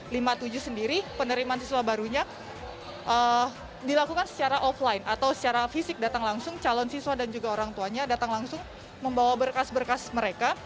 lima puluh tujuh sendiri penerimaan siswa barunya dilakukan secara offline atau secara fisik datang langsung calon siswa dan juga orang tuanya datang langsung membawa berkas berkas mereka